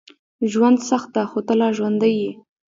ژوند سخت ده، خو ته لا ژوندی یې.